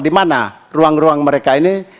di mana ruang ruang mereka ini